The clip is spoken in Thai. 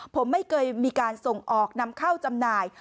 ผมไม่เคยมีการส่งออกนำเข้าจำหน่าย